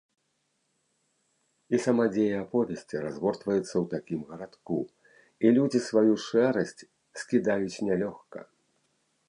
І сама дзея аповесці разгортваецца ў такім гарадку, і людзі сваю шэрасць скідаюць нялёгка.